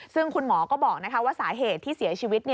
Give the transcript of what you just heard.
ซึ่งคุณหมอก็บอกว่าสาเหตุที่เสียชีวิต